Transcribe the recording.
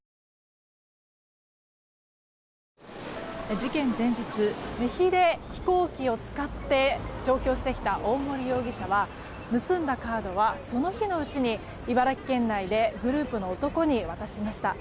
事件前日自費で飛行機を使って上京してきた大森容疑者は盗んだカードはその日のうちに茨城県内でグループの男に渡しました。